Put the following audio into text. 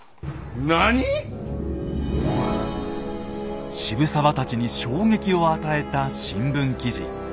なに⁉渋沢たちに衝撃を与えた新聞記事。